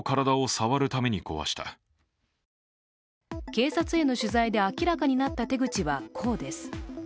警察への取材で明らかになった手口はこうです。